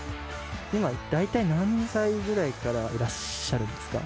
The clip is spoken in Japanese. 今、大体何歳ぐらいからいらっしゃるんですか？